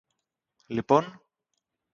Λοιπόν;